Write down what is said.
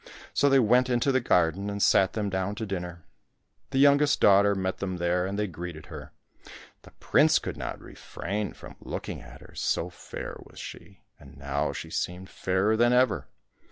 So they went into the garden and sat them down to dinner. The youngest daughter met them there, and they greeted her. The prince could not refrain from looking at her, so fair was she, and now she seemed fairer than ever.